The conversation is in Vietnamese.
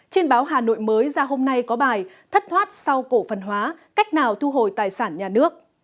trên báo hà nội mới ra hôm nay có bài thất thoát sau cổ phần hóa cách nào thu hồi tài sản nhà nước